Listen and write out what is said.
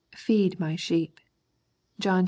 feed My sheep " (John xxi.